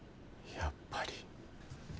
やっぱり。